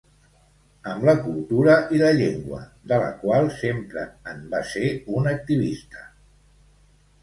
Amb la cultura i la llengua de la qual sempre en va ser un activista.